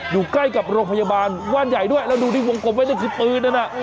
อยู่ใกล้กับโรงพยาบาลว่านใหญ่ด้วยแล้วดูที่วงกลมไว้นั่นคือปืนนั้นน่ะ